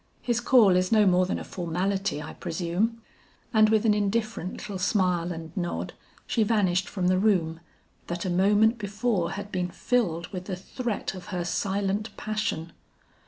His call is no more than a formality, I presume.' And with an indifferent little smile and nod, she vanished from the room, that a moment before had been filled with the threat of her silent passion.